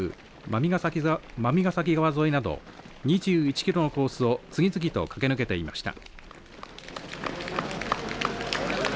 馬見ヶ崎川沿いなど２１キロのコースを次々と駆け抜けていきました。